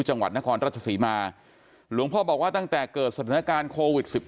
จังหวัดนครราชศรีมาหลวงพ่อบอกว่าตั้งแต่เกิดสถานการณ์โควิด๑๙